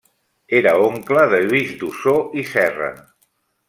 Era oncle de Lluís d'Ossó i Serra.